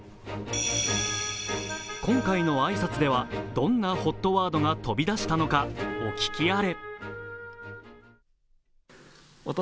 今回の挨拶ではどんなＨＯＴワードが飛び出したのかお聞きあれ。